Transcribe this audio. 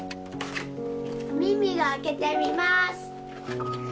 ミミが開けてみまーす！